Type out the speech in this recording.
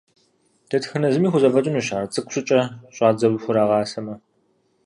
Дэтхэнэ зыми хузэфӏэкӏынущ ар, цӏыкӏу щӏыкӏэ щӏадзэу хурагъэсамэ.